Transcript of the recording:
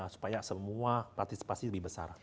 supaya semua partisipasi lebih besar